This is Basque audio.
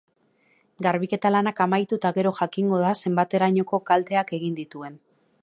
Garbiketa lanak amaitu eta gero jakingo da zenbaterainoko kalteak egin dituen.